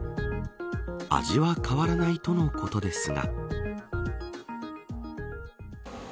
味は変わらないとのことですが。